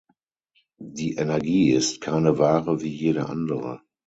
Die Energie ist keine Ware wie jede andere.